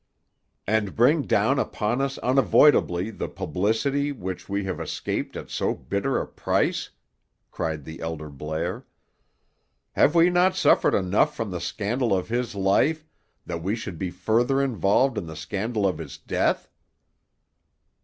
"And bring down upon us unavoidably the publicity which we have escaped at so bitter a price?" cried the elder Blair. "Have we not suffered enough from the scandal of his life, that we should be further involved in the scandal of his death?"